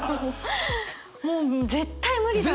もう絶対無理だろう。